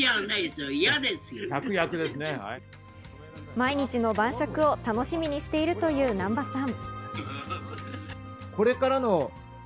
毎日の晩酌を楽しみにしているという難波さん。